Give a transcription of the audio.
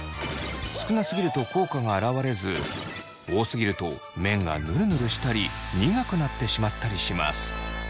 少なすぎると効果があらわれず多すぎると麺がぬるぬるしたり苦くなってしまったりします。